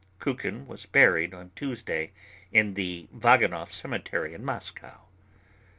Kukin was buried on Tuesday in the Vagankov Cemetery in Moscow.